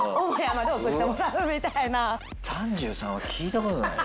３３は聞いた事ないよ。